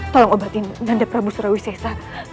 tolong obatin nanda prabu surawi sesa